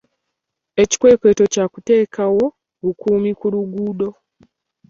Ekikwekweto kya kuteekawo bukuumi ku luguudo.